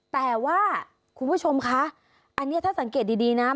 แต่ว่าคุณผู้ชมคะอันนี้ถ้าสังเกตดีนะ